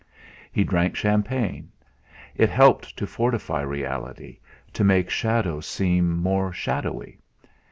He drank champagne. It helped to fortify reality, to make shadows seem more shadowy.